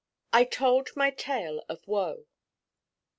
'I TOLD MY TALE OF WOE.'